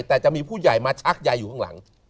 แต่จะมีผู้ใหญ่มาชักยายอยู่ข้างหลัง